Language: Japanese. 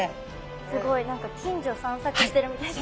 すごい何か近所散策してるみたいですね。